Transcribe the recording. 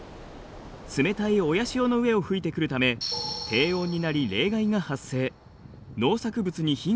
冷たい親潮の上を吹いてくるため低温になり